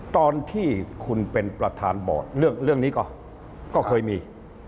ตอนที่คุณเป็นประธานบอร์ดเรื่องนี้ก็เคยมี